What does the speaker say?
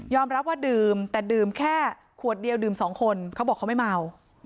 รับว่าดื่มแต่ดื่มแค่ขวดเดียวดื่มสองคนเขาบอกเขาไม่เมา